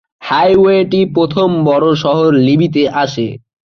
হাইওয়েটি প্রথম বড় শহর লিবিতে আসে।